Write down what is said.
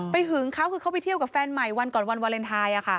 หึงเขาคือเขาไปเที่ยวกับแฟนใหม่วันก่อนวันวาเลนไทย